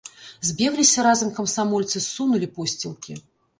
Збегліся разам камсамольцы, ссунулі посцілкі.